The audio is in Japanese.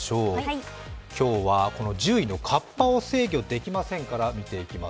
今日は１０位の、河童を制御できませんから見ていきます。